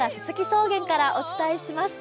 草原からお伝えします。